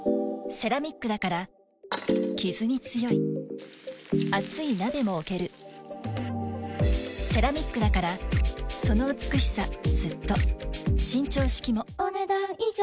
セラミックだからキズに強い熱い鍋も置けるセラミックだからその美しさずっと伸長式もお、ねだん以上。